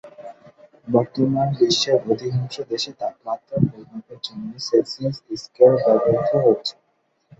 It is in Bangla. বর্তমানে বিশ্বের অধিকাংশ দেশে তাপমাত্রা পরিমাপের জন্য সেলসিয়াস স্কেল ব্যবহৃত হচ্ছে।